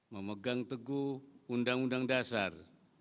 memegang teguh undang undang dasar